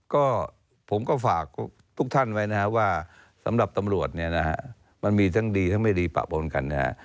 ก็ผมก็ฝากทุกท่านไว้นะครับว่าสำหรับตำรวจเนี่ยนะฮะมันมีทั้งดีทั้งไม่ดีปะปนกันนะฮะ